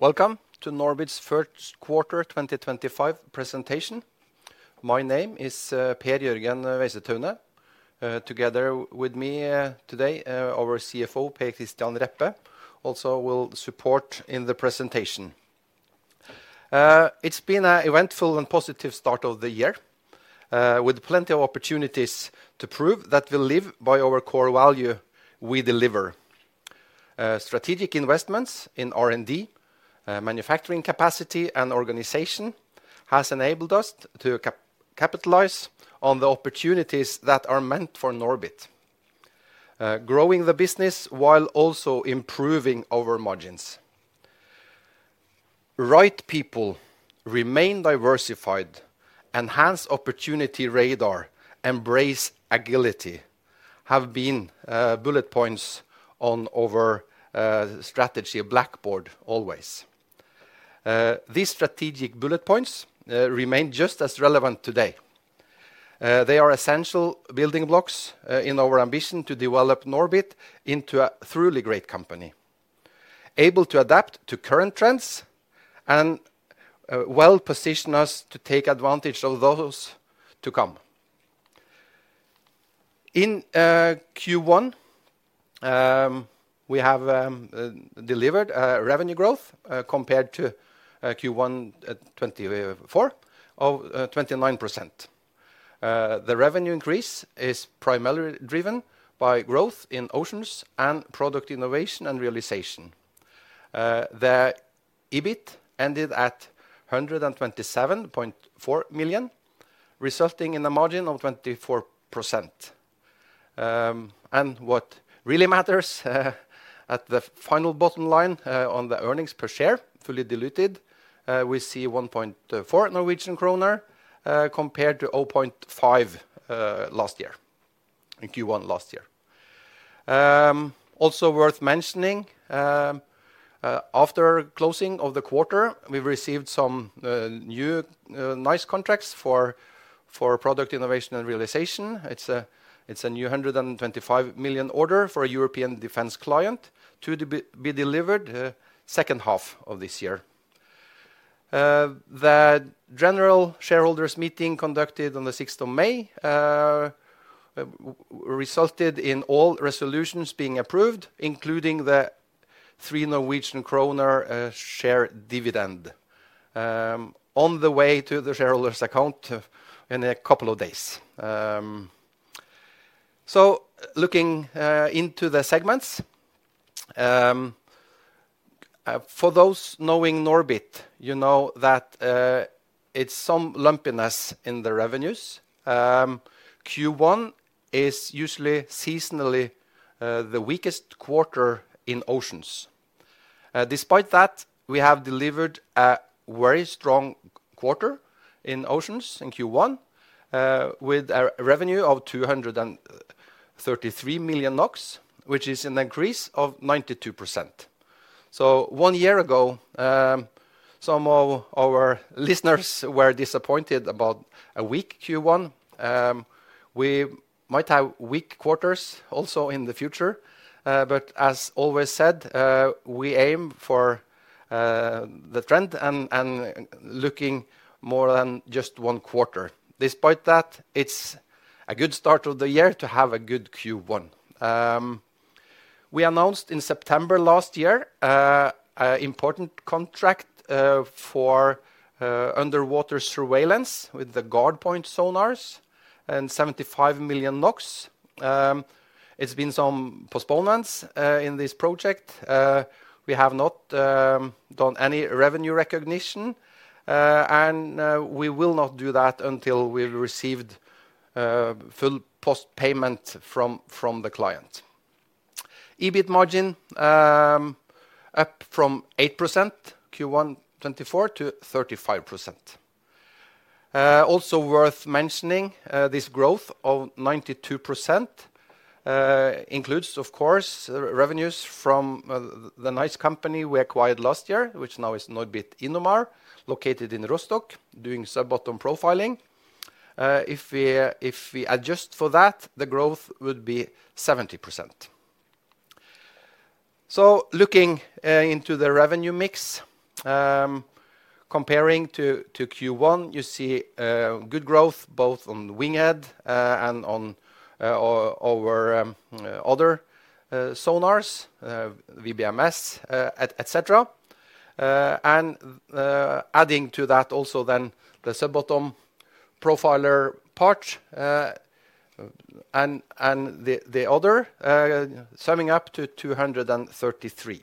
Welcome to NORBIT's first quarter 2025 presentation. My name is Per Jørgen Weisethaunet. Together with me today, our CFO, Per Kristian Reppe, also will support in the presentation. It's been an eventful and positive start of the year, with plenty of opportunities to prove that we live by our core value: we deliver. Strategic investments in R&D, manufacturing capacity, and organization have enabled us to capitalize on the opportunities that are meant for NORBIT, growing the business while also improving our margins. Right people, remain diversified, enhance opportunity radar, embrace agility have been bullet points on our strategy blackboard always. These strategic bullet points remain just as relevant today. They are essential building blocks in our ambition to develop NORBIT into a truly great company, able to adapt to current trends and well position us to take advantage of those to come. In Q1, we have delivered revenue growth compared to Q1 2024 of 29%. The revenue increase is primarily driven by growth in Oceans and product innovation and realization. The EBIT ended at 127.4 million, resulting in a margin of 24%. What really matters at the final bottom line on the earnings per share, fully diluted, we see 1.4 Norwegian kroner compared to 0.5 in Q1 last year. Also worth mentioning, after closing of the quarter, we've received some new nice contracts for product innovation and realization. It's a new 125 million order for a European defense client to be delivered the second half of this year. The general shareholders meeting conducted on the six of May resulted in all resolutions being approved, including the 3 Norwegian kroner share dividend, on the way to the shareholders account in a couple of days. Looking into the segments, for those knowing NORBIT, you know that it's some lumpiness in the revenues. Q1 is usually seasonally the weakest quarter in Oceans. Despite that, we have delivered a very strong quarter in Oceans in Q1 with a revenue of 233 million NOK, which is an increase of 92%. One year ago, some of our listeners were disappointed about a weak Q1. We might have weak quarters also in the future, but as always said, we aim for the trend and looking more than just one quarter. Despite that, it's a good start of the year to have a good Q1. We announced in September last year an important contract for underwater surveillance with the GuardPoint sonars and 75 million NOK. It's been some postponements in this project. We have not done any revenue recognition, and we will not do that until we've received full post payment from the client. EBIT margin up from 8% Q1 2024 to 35%. Also worth mentioning, this growth of 92% includes, of course, revenues from the nice company we acquired last year, which now is NORBIT Innomar, located in Rostock, doing sub-bottom profiling. If we adjust for that, the growth would be 70%. Looking into the revenue mix, comparing to Q1, you see good growth both on WINGHEAD and on our other sonars, VBMS, etc. Adding to that also the sub-bottom profiler part and the other summing up to 233.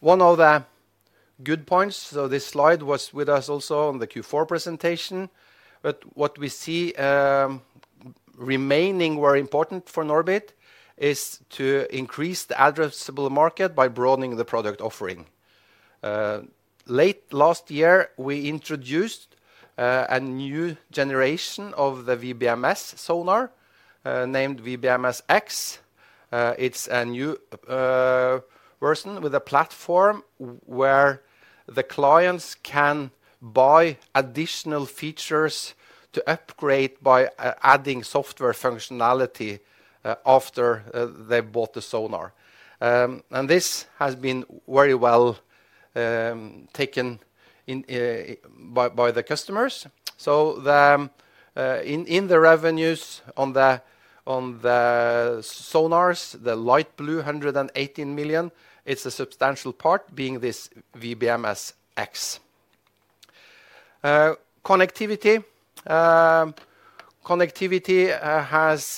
One of the good points, this slide was with us also on the Q4 presentation, but what we see remaining very important for NORBIT is to increase the addressable market by broadening the product offering. Late last year, we introduced a new generation of the VBMS sonar named VBMS X. It's a new version with a platform where the clients can buy additional features to upgrade by adding software functionality after they bought the sonar. This has been very well taken by the customers. In the revenues on the sonars, the light blue 118 million, it's a substantial part being this VBMS X. Connectivity has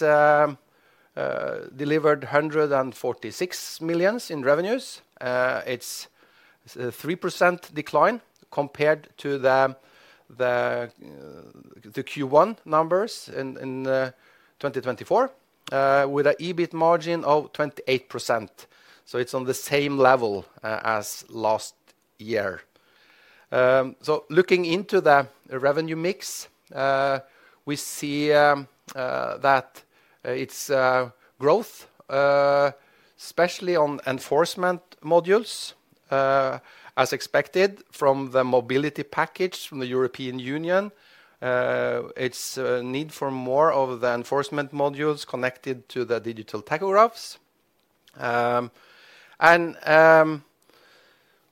delivered 146 million in revenues. It's a 3% decline compared to the Q1 numbers in 2024, with an EBIT margin of 28%. It's on the same level as last year. Looking into the revenue mix, we see that it's growth, especially on enforcement modules, as expected from the mobility package from the European Union. It's a need for more of the enforcement modules connected to the digital tachographs.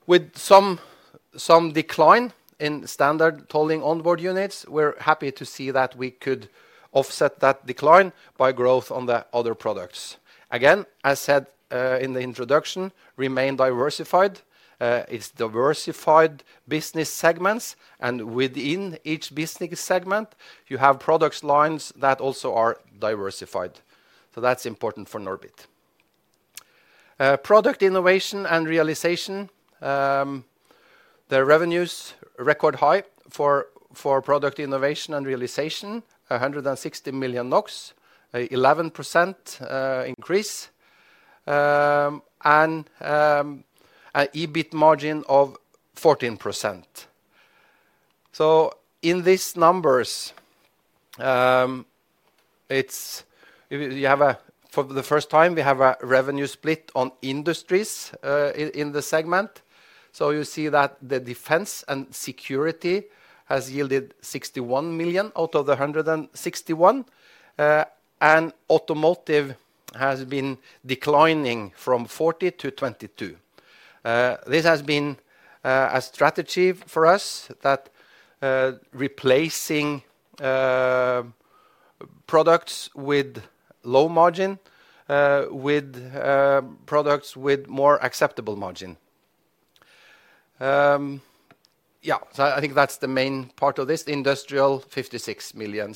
With some decline in standard tolling On-Board Units, we're happy to see that we could offset that decline by growth on the other products. Again, as said in the introduction, remain diversified. It is diversified business segments, and within each business segment, you have product lines that also are diversified. That is important for NORBIT. Product innovation and realization, the revenues record high for product innovation and realization, 160 million NOK, 11% increase, and an EBIT margin of 14%. In these numbers, for the first time, we have a revenue split on industries in the segment. You see that the defense and security has yielded 61 million out of the 161 million, and automotive has been declining from 40 million-22 million. This has been a strategy for us, replacing products with low margin with products with more acceptable margin. Yeah, so I think that's the main part of this, industrial 56 million.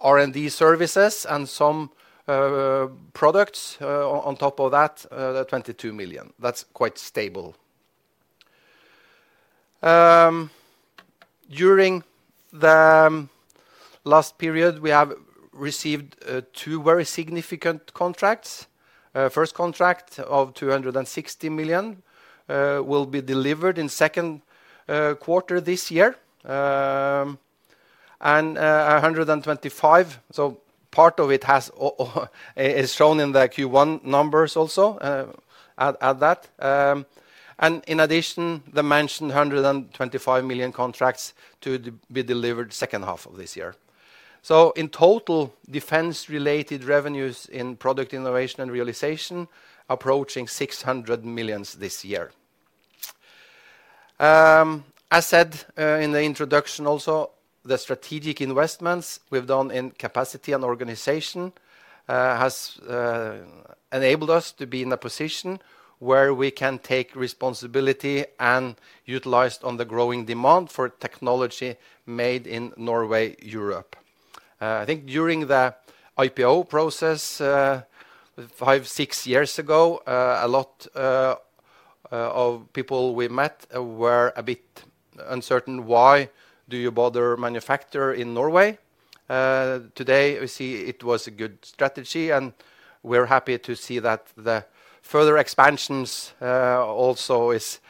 R&D services and some products on top of that, 22 million. That's quite stable. During the last period, we have received two very significant contracts. First contract of 260 million will be delivered in second quarter this year. And 125 million, so part of it is shown in the Q1 numbers also at that. In addition, the mentioned 125 million contract to be delivered second half of this year. In total, defense-related revenues in product innovation and realization approaching 600 million this year. As said in the introduction also, the strategic investments we've done in capacity and organization has enabled us to be in a position where we can take responsibility and utilize on the growing demand for technology made in Norway, Europe. I think during the IPO process, five, six years ago, a lot of people we met were a bit uncertain why do you bother manufacturing in Norway. Today, we see it was a good strategy, and we're happy to see that the further expansions also is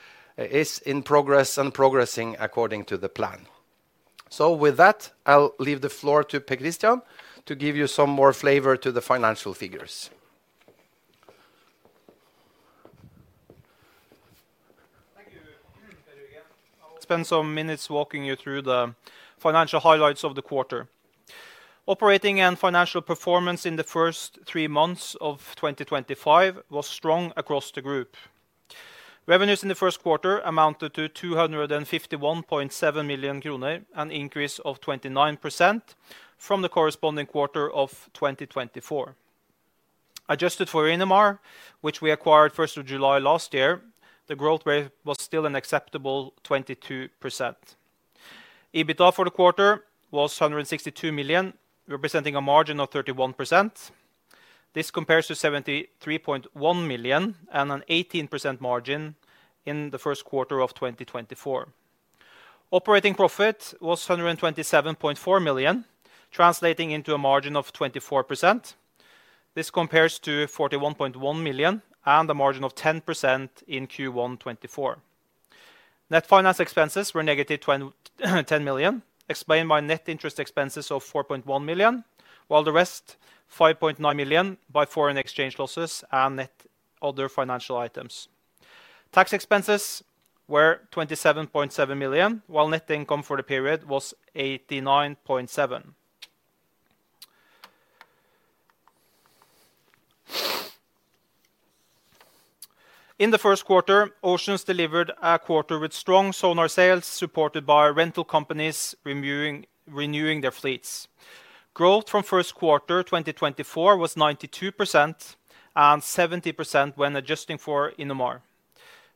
in progress and progressing according to the plan. With that, I'll leave the floor to Per Kristian to give you some more flavor to the financial figures. Thank you. Per again. Spend some minutes walking you through the financial highlights of the quarter. Operating and financial performance in the first three months of 2025 was strong across the group. Revenues in the first quarter amounted to 251.7 million kroner, an increase of 29% from the corresponding quarter of 2024. Adjusted for Innomar, which we acquired 1st of July last year, the growth rate was still an acceptable 22%. EBITDA for the quarter was 162 million, representing a margin of 31%. This compares to 73.1 million and an 18% margin in the first quarter of 2024. Operating profit was 127.4 million, translating into a margin of 24%. This compares to 41.1 million and a margin of 10% in Q1 2024. Net finance expenses were negative 10 million, explained by net interest expenses of 4.1 million, while the rest 5.9 million by foreign exchange losses and net other financial items. Tax expenses were 27.7 million, while net income for the period was 89.7 million. In the first quarter, Oceans delivered a quarter with strong sonar sales supported by rental companies renewing their fleets. Growth from first quarter 2024 was 92% and 70% when adjusting for Innomar.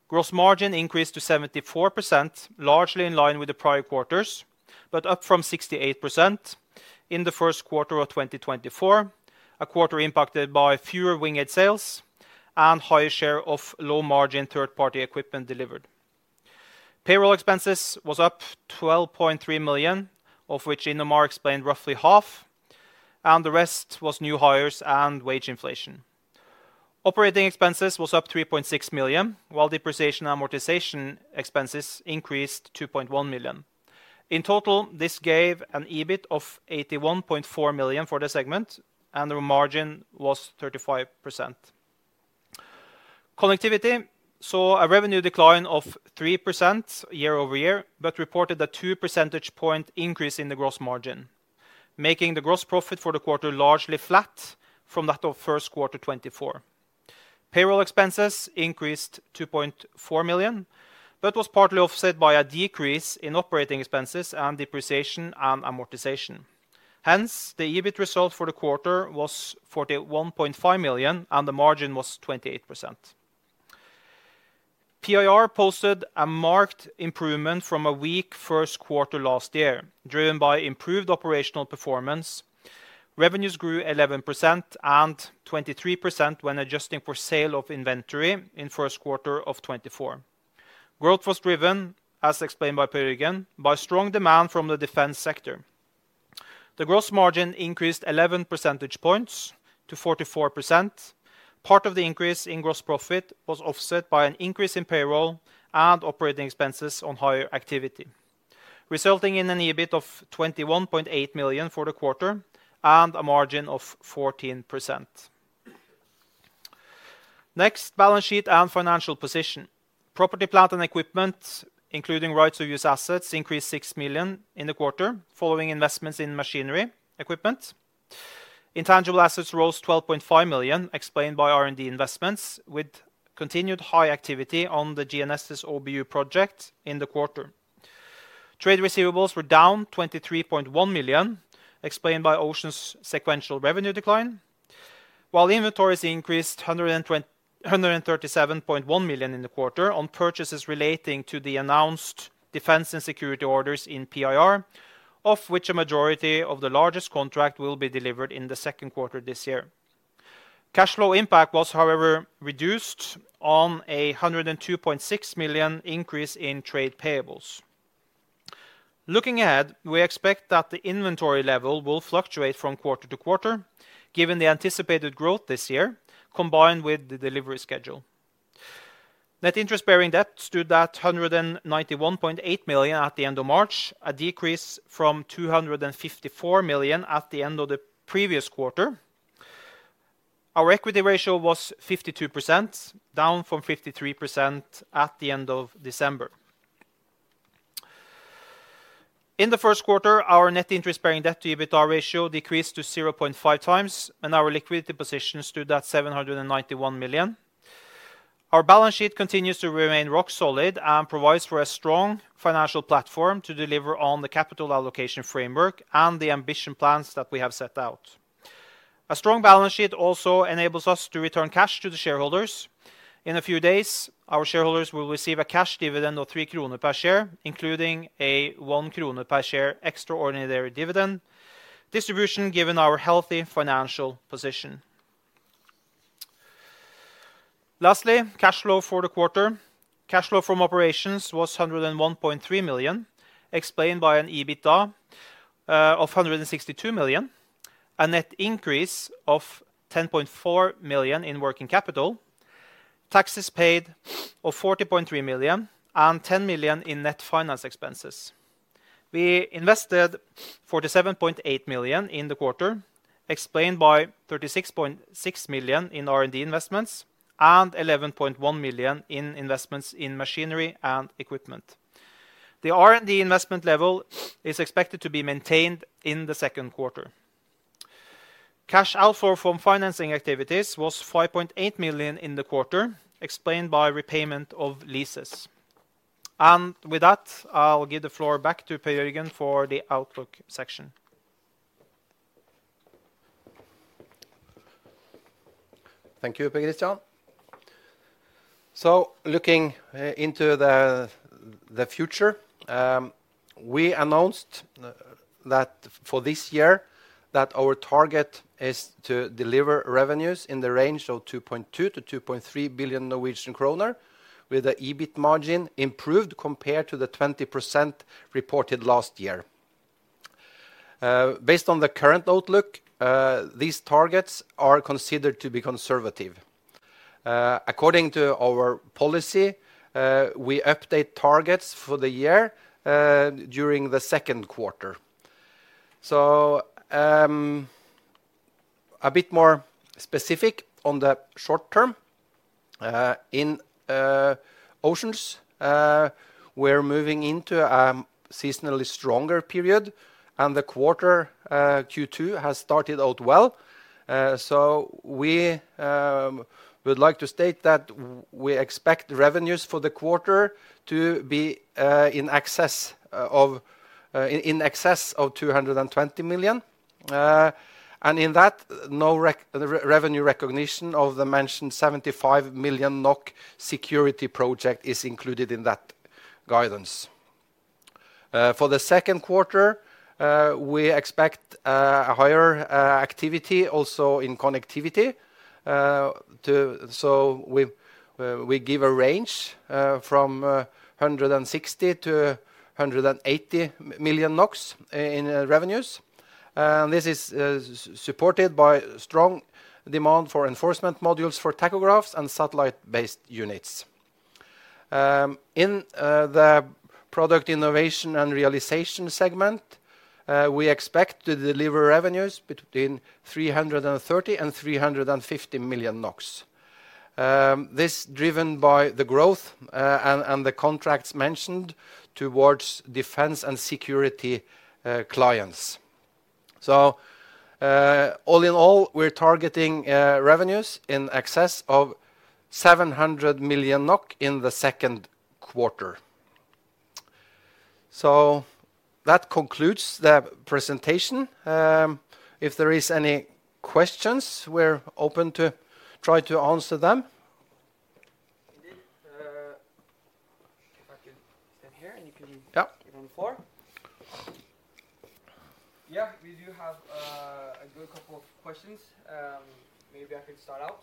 Gross margin increased to 74%, largely in line with the prior quarters, but up from 68% in the first quarter of 2024, a quarter impacted by fewer WINGHEAD sales and higher share of low margin third-party equipment delivered. Payroll expenses was up 12.3 million, of which Innomar explained roughly half, and the rest was new hires and wage inflation. Operating expenses was up 3.6 million, while depreciation and amortization expenses increased 2.1 million. In total, this gave an EBIT of 81.4 million for the segment, and the margin was 35%. Connectivity saw a revenue decline of 3% year-over-year, but reported a 2 percentage point increase in the gross margin, making the gross profit for the quarter largely flat from that of first quarter 2024. Payroll expenses increased 2.4 million, but was partly offset by a decrease in operating expenses and depreciation and amortization. Hence, the EBIT result for the quarter was 41.5 million and the margin was 28%. PIR posted a marked improvement from a weak first quarter last year, driven by improved operational performance. Revenues grew 11% and 23% when adjusting for sale of inventory in first quarter of 2024. Growth was driven, as explained by Per again, by strong demand from the defense sector. The gross margin increased 11 percentage points to 44%. Part of the increase in gross profit was offset by an increase in payroll and operating expenses on higher activity, resulting in an EBIT of 21.8 million for the quarter and a margin of 14%. Next, balance sheet and financial position. Property, plant and equipment, including rights of use assets, increased 6 million in the quarter, following investments in machinery equipment. Intangible assets rose 12.5 million, explained by R&D investments, with continued high activity on the GNSS OBU project in the quarter. Trade receivables were down 23.1 million, explained by Oceans' sequential revenue decline, while inventories increased 137.1 million in the quarter on purchases relating to the announced defense and security orders in PIR, of which a majority of the largest contract will be delivered in the second quarter this year. Cash flow impact was, however, reduced on a 102.6 million increase in trade payables. Looking ahead, we expect that the inventory level will fluctuate from quarter to quarter, given the anticipated growth this year, combined with the delivery schedule. Net interest-bearing debt stood at 191.8 million at the end of March, a decrease from 254 million at the end of the previous quarter. Our equity ratio was 52%, down from 53% at the end of December. In the first quarter, our net interest-bearing debt to EBITDA ratio decreased to 0.5 times, and our liquidity position stood at 791 million. Our balance sheet continues to remain rock solid and provides for a strong financial platform to deliver on the capital allocation framework and the ambition plans that we have set out. A strong balance sheet also enables us to return cash to the shareholders. In a few days, our shareholders will receive a cash dividend of 3 kroner per share, including a 1 kroner per share extraordinary dividend distribution, given our healthy financial position. Lastly, cash flow for the quarter. Cash flow from operations was 101.3 million, explained by an EBITDA of 162 million, a net increase of 10.4 million in working capital, taxes paid of 40.3 million, and 10 million in net finance expenses. We invested 47.8 million in the quarter, explained by 36.6 million in R&D investments and 11.1 million in investments in machinery and equipment. The R&D investment level is expected to be maintained in the second quarter. Cash outflow from financing activities was 5.8 million in the quarter, explained by repayment of leases. With that, I'll give the floor back to Per again for the outlook section. Thank you, Per Kristian. Looking into the future, we announced that for this year, our target is to deliver revenues in the range of 2.2 billion-2.3 billion Norwegian kroner, with the EBIT margin improved compared to the 20% reported last year. Based on the current outlook, these targets are considered to be conservative. According to our policy, we update targets for the year during the second quarter. A bit more specific on the short term, in Oceans, we're moving into a seasonally stronger period, and the quarter Q2 has started out well. We would like to state that we expect revenues for the quarter to be in excess of 220 million. In that, no revenue recognition of the mentioned 75 million NOK security project is included in that guidance. For the second quarter, we expect a higher activity also in connectivity. We give a range from 160 million-180 million NOK in revenues. This is supported by strong demand for enforcement modules for tachographs and satellite-based units. In the product innovation and realization segment, we expect to deliver revenues between 330 million-350 million NOK. This is driven by the growth and the contracts mentioned towards defense and security clients. All in all, we're targeting revenues in excess of 700 million NOK in the second quarter. That concludes the presentation. If there are any questions, we're open to try to answer them. If I can stand here and you can get on the floor. Yeah, we do have a good couple of questions. Maybe I can start out.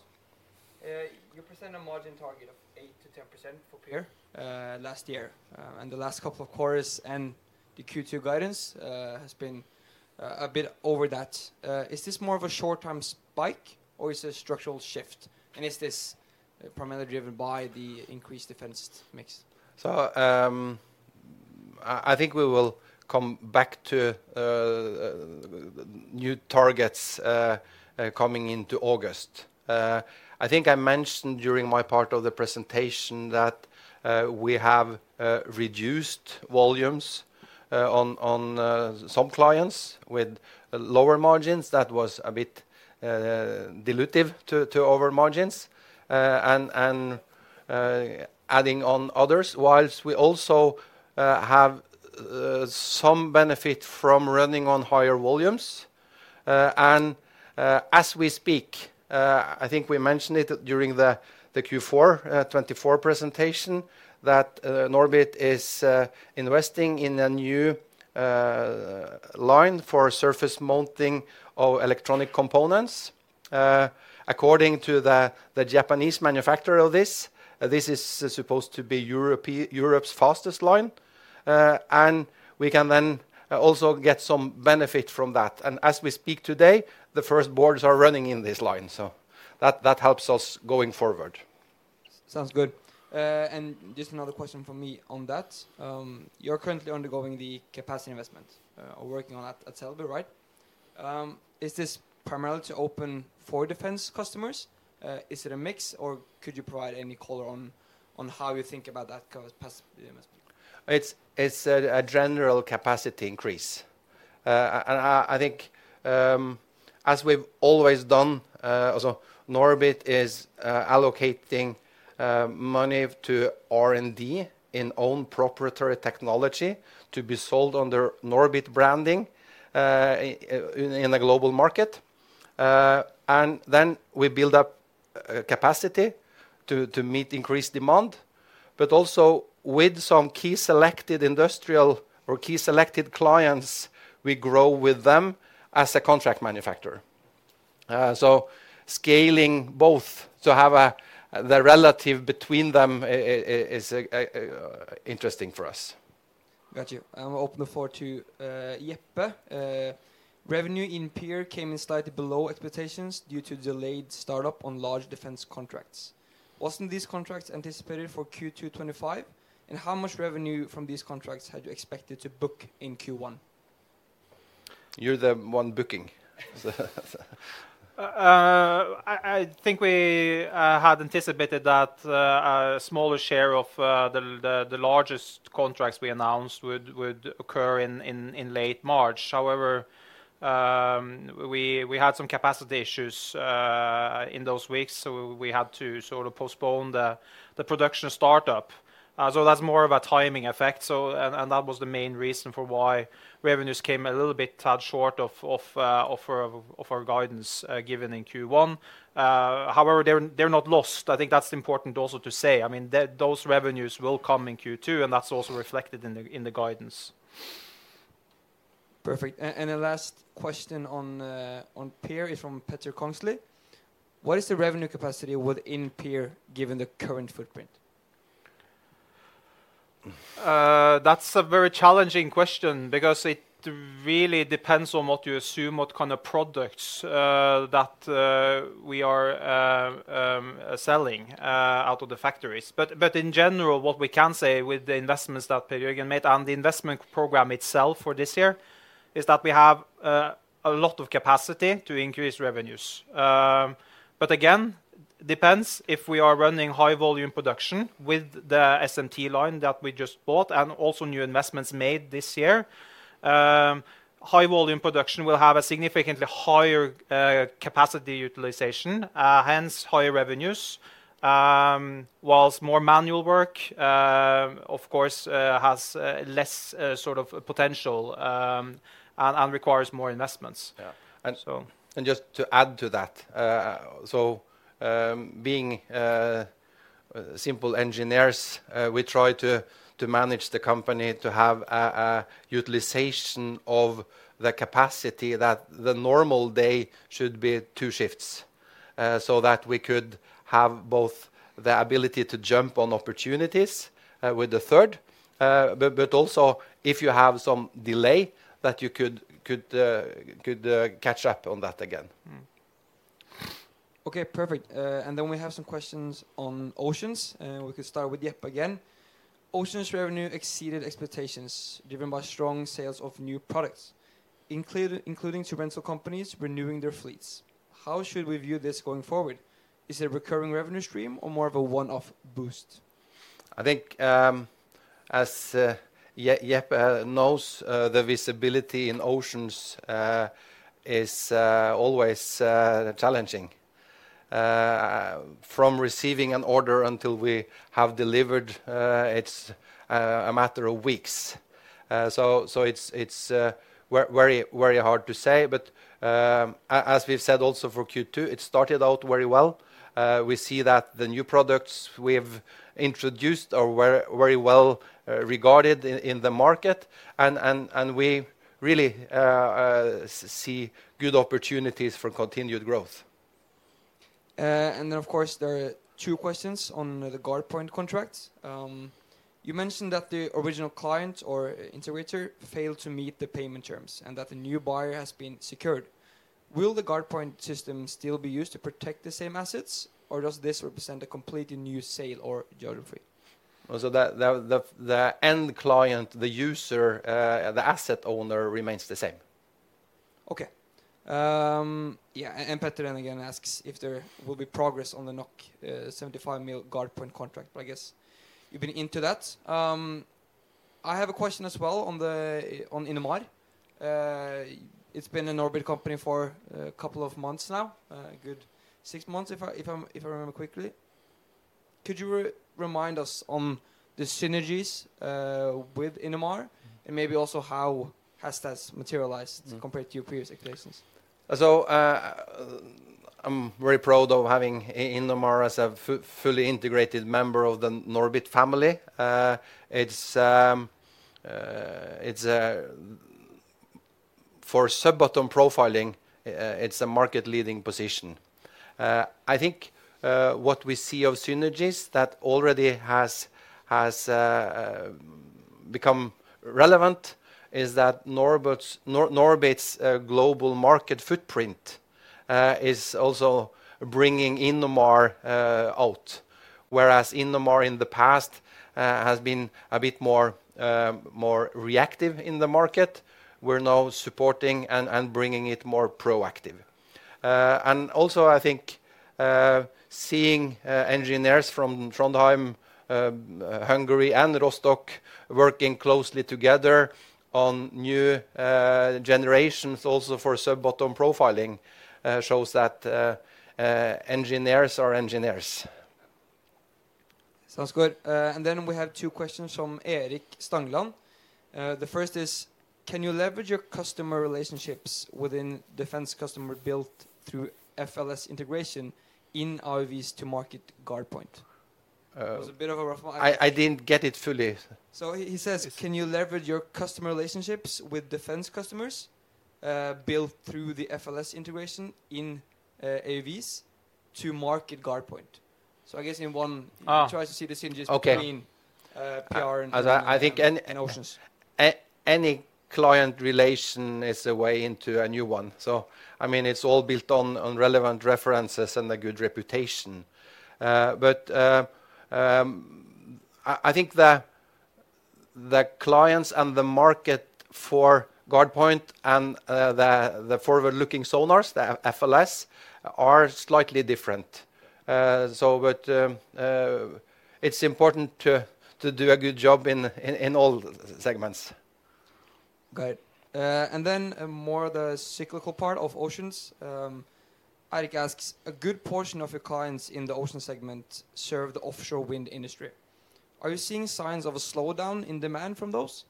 You present a margin target of 8%-10% for PIR. Last year. The last couple of quarters and the Q2 guidance has been a bit over that. Is this more of a short-term spike or is it a structural shift? Is this primarily driven by the increased defense mix? I think we will come back to new targets coming into August. I think I mentioned during my part of the presentation that we have reduced volumes on some clients with lower margins. That was a bit dilutive to our margins and adding on others, whilst we also have some benefit from running on higher volumes. As we speak, I think we mentioned it during the Q4 2024 presentation, that NORBIT is investing in a new line for surface mounting of electronic components. According to the Japanese manufacturer of this, this is supposed to be Europe's fastest line. We can then also get some benefit from that. As we speak today, the first boards are running in this line. That helps us going forward. Sounds good. Just another question from me on that. You're currently undergoing the capacity investment or working on that at Selbu, right? Is this primarily to open for defense customers? Is it a mix, or could you provide any color on how you think about that capacity investment? It's a general capacity increase. I think, as we've always done, NORBIT is allocating money to R&D in own proprietary technology to be sold under NORBIT branding in a global market. We build up capacity to meet increased demand. Also, with some key selected industrial or key selected clients, we grow with them as a contract manufacturer. Scaling both to have the relative between them is interesting for us. Got you. I'm going to open the floor to Reppe. Revenue in PIR came in slightly below expectations due to delayed startup on large defense contracts. Wasn't these contracts anticipated for Q2 2025? And how much revenue from these contracts had you expected to book in Q1? You're the one booking. I think we had anticipated that a smaller share of the largest contracts we announced would occur in late March. However, we had some capacity issues in those weeks, so we had to sort of postpone the production startup. That is more of a timing effect. That was the main reason for why revenues came a little bit short of our guidance given in Q1. However, they are not lost. I think that is important also to say. I mean, those revenues will come in Q2, and that is also reflected in the guidance. Perfect. The last question on PIR is from Petter Kongslie. What is the revenue capacity within PIR given the current footprint? That's a very challenging question because it really depends on what you assume, what kind of products that we are selling out of the factories. In general, what we can say with the investments that Per made and the investment program itself for this year is that we have a lot of capacity to increase revenues. Again, it depends if we are running high volume production with the SMT line that we just bought and also new investments made this year. High volume production will have a significantly higher capacity utilization, hence higher revenues, whilst more manual work, of course, has less sort of potential and requires more investments. Just to add to that, being simple engineers, we try to manage the company to have a utilization of the capacity that the normal day should be two shifts so that we could have both the ability to jump on opportunities with the third, but also if you have some delay, that you could catch up on that again. Okay, perfect. We have some questions on Oceans. We could start with Reppe again. Oceans' revenue exceeded expectations, driven by strong sales of new products, including to rental companies renewing their fleets. How should we view this going forward? Is it a recurring revenue stream or more of a one-off boost? I think, as Reppe knows, the visibility in Oceans is always challenging. From receiving an order until we have delivered, it's a matter of weeks. It is very, very hard to say. As we've said also for Q2, it started out very well. We see that the new products we've introduced are very well regarded in the market, and we really see good opportunities for continued growth. There are two questions on the GuardPoint contracts. You mentioned that the original client or integrator failed to meet the payment terms and that the new buyer has been secured. Will the GuardPoint system still be used to protect the same assets, or does this represent a completely new sale or geography? The end client, the user, the asset owner remains the same. Okay. Yeah. Petter then again asks if there will be progress on the 75 million GuardPoint contract, but I guess you've been into that. I have a question as well on the Innomar. It's been a NORBIT company for a couple of months now, a good six months, if I remember quickly. Could you remind us on the synergies with Innomar and maybe also how has that materialized compared to your previous expectations? I'm very proud of having Inomar as a fully integrated member of the NORBIT family. For sub-bottom profiling, it's a market-leading position. I think what we see of synergies that already has become relevant is that NORBIT's global market footprint is also bringing Innomar out. Whereas Innomar in the past has been a bit more reactive in the market, we're now supporting and bringing it more proactive. I think seeing engineers from Trondheim, Hungary, and Rostock working closely together on new generations also for sub-bottom profiling shows that engineers are engineers. Sounds good. Then we have two questions from Erik Stangland. The first is, can you leverage your customer relationships within defense customer built through FLS integration in IVs to market GuardPoint? It was a bit of a rough one. I didn't get it fully. He says, can you leverage your customer relationships with defense customers built through the FLS integration in AVs to market GuardPoint? I guess in one, he tries to see the synergies between PR and Oceans. I think any client relation is a way into a new one. I mean, it's all built on relevant references and a good reputation. I think the clients and the market for GuardPoint and the forward-looking sonars, the FLS, are slightly different. It is important to do a good job in all segments. Got it. Then more of the cyclical part of Oceans. Erik asks, a good portion of your clients in the Ocean segment serve the offshore wind industry. Are you seeing signs of a slowdown in demand from those?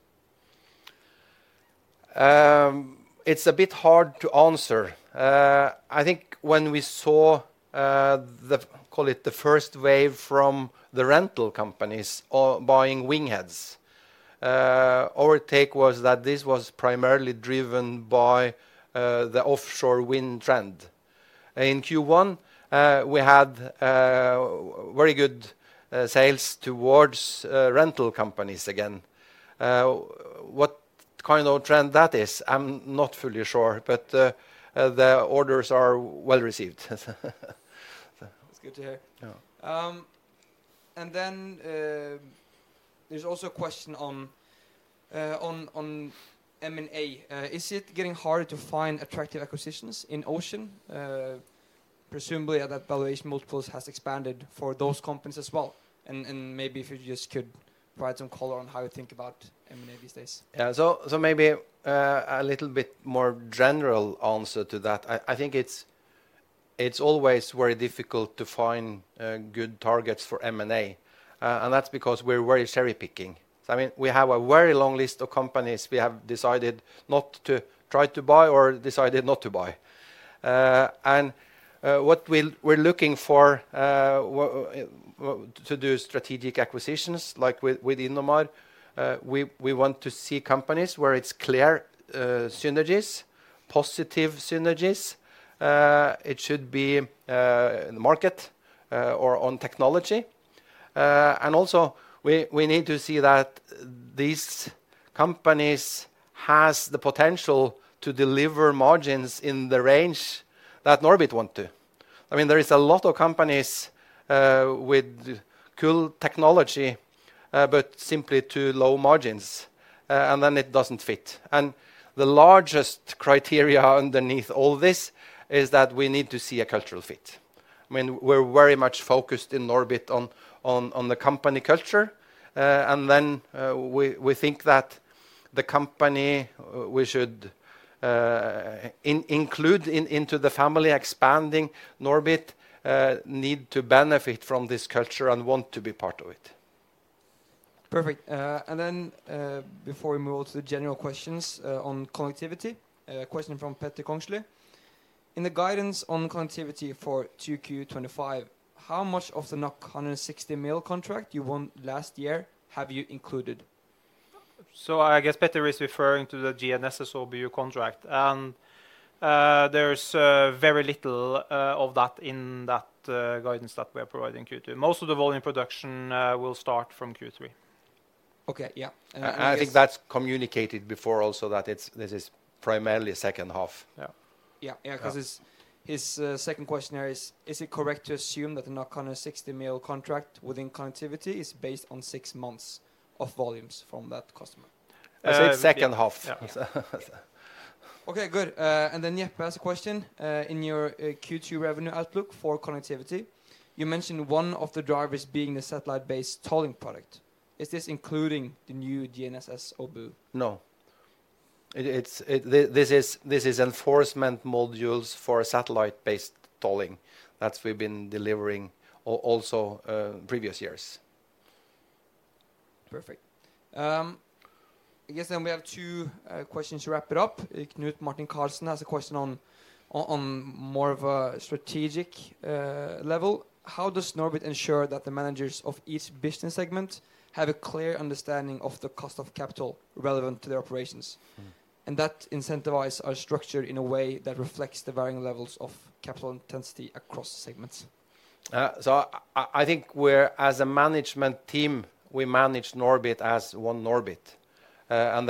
It's a bit hard to answer. I think when we saw, call it the first wave from the rental companies buying WINGHEADs, our take was that this was primarily driven by the offshore wind trend. In Q1, we had very good sales towards rental companies again. What kind of trend that is, I'm not fully sure, but the orders are well received. That's good to hear. There is also a question on M&A. Is it getting harder to find attractive acquisitions in Ocean? Presumably, that valuation multiples have expanded for those companies as well. Maybe if you just could provide some color on how you think about M&A these days. Yeah, so maybe a little bit more general answer to that. I think it's always very difficult to find good targets for M&A. That's because we're very cherry-picking. I mean, we have a very long list of companies we have decided not to try to buy or decided not to buy. What we're looking for to do strategic acquisitions like with Innomar, we want to see companies where it's clear synergies, positive synergies. It should be in the market or on technology. Also, we need to see that these companies have the potential to deliver margins in the range that NORBIT want to. I mean, there are a lot of companies with cool technology, but simply too low margins. Then it doesn't fit. The largest criteria underneath all this is that we need to see a cultural fit. I mean, we're very much focused in NORBIT on the company culture. Then we think that the company we should include into the family expanding NORBIT need to benefit from this culture and want to be part of it. Perfect. Before we move on to the general questions on connectivity, a question from Petter Kongslie. In the guidance on connectivity for Q2 2025, how much of the 160 million contract you won last year have you included? I guess Petter is referring to the GNSS OBU contract. There is very little of that in that guidance that we are providing Q2. Most of the volume production will start from Q3. Okay, yeah. I think that's communicated before also that this is primarily second half. Yeah, because his second question there is, is it correct to assume that the 160 million contract within connectivity is based on six months of volumes from that customer? I say second half. Okay, good. Reppe has a question. In your Q2 revenue outlook for connectivity, you mentioned one of the drivers being the satellite-based tolling product. Is this including the new GNSS OBU? No. This is enforcement modules for satellite-based tolling that we've been delivering also previous years. Perfect. I guess then we have two questions to wrap it up. Knut Martin Karlsson has a question on more of a strategic level. How does NORBIT ensure that the managers of each business segment have a clear understanding of the cost of capital relevant to their operations? Is that incentivized or structured in a way that reflects the varying levels of capital intensity across segments? I think we're, as a management team, we manage NORBIT as one NORBIT. In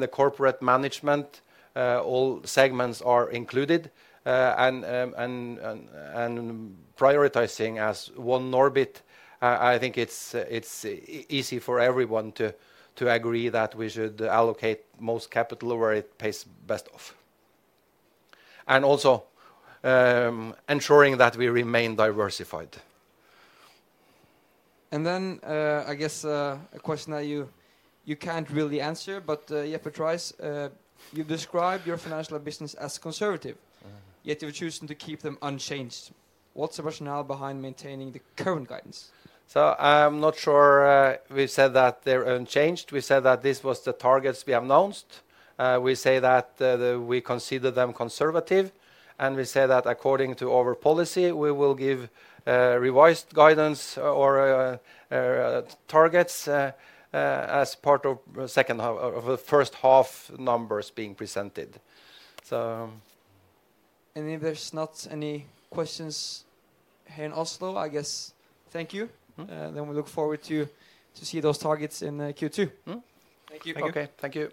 the corporate management, all segments are included and prioritizing as one NORBIT. I think it's easy for everyone to agree that we should allocate most capital where it pays best off. Also ensuring that we remain diversified. I guess a question that you can't really answer, but Reppe tries. You describe your financial business as conservative, yet you're choosing to keep them unchanged. What's the rationale behind maintaining the current guidance? I'm not sure we said that they're unchanged. We said that this was the targets we have announced. We say that we consider them conservative. We say that according to our policy, we will give revised guidance or targets as part of the first half numbers being presented. If there's not any questions here in Oslo, I guess thank you. We look forward to see those targets in Q2. Thank you. Okay, thank you.